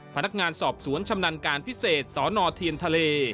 พนักงานสอบสวนชำนาญการพิเศษสนเทียนทะเล